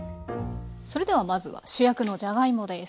それではまずは主役のじゃがいもです。